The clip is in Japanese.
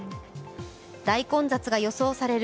大混雑が予想される